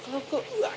うわ！